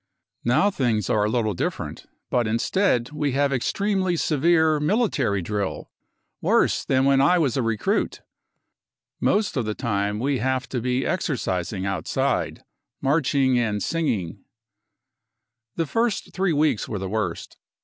Now things are a little different, but instead 304 BROWN BOOK OF THE HITLER TERROR we have extremely severe military drill, worse than when I was a recruit. Most of the time we have to be exercising outside, marching and singing, 44 The first three weeks were the worst.